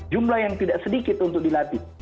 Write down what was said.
jumlah yang tidak sedikit untuk dilatih